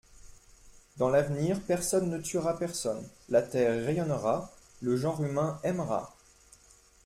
Dans l'avenir personne ne tuera personne, la terre rayonnera, le genre humain aimera.